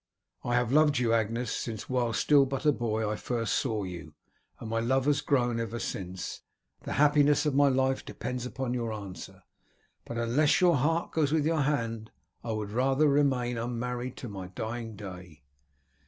"I have loved you, Agnes, since while still but a boy I first saw you, and my love has grown ever since. The happiness of my life depends upon your answer, but unless your heart goes with your hand I would rather remain unmarried to my dying day."